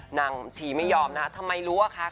หนังฉี่ไม่ยอมนะทำไมรู้ว่าคะ